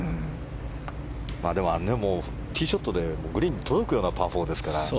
でもティーショットでグリーンに届くようなパー４ですから。